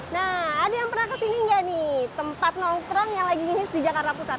nah ada yang pernah kesini nggak nih tempat nongkrong yang lagi ngis di jakarta pusat